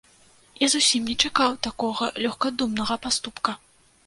Я зусім не чакаў такога лёгкадумнага паступка.